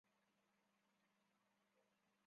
犁头鳅为平鳍鳅科犁头鳅属的鱼类。